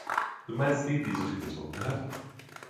Du meinst die, die so viel getrunken hat?